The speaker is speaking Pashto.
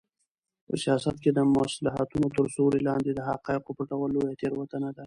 په سیاست کې د مصلحتونو تر سیوري لاندې د حقایقو پټول لویه تېروتنه ده.